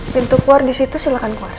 pintu keluar disitu silahkan keluar